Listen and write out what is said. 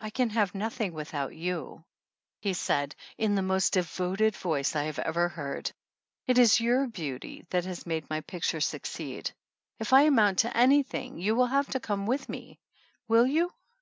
"I can have nothing without you," he said in the most devoted voice I ever heard. "It is your beauty that has made my picture succeed. If I amount to anything you will have to come with me will you?"